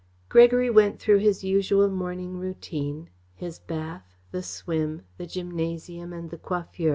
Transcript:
Gregory went through his usual morning routine his bath, the swim, the gymnasium and the coiffeur.